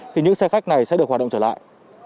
thì những xe khách này sẽ được hoạt động trở lại